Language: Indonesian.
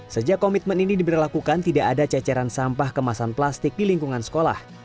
sejak komitmen ini diberlakukan tidak ada ceceran sampah kemasan plastik di lingkungan sekolah